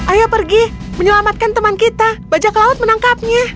ayo pergi menyelamatkan teman kita bajak laut menangkapnya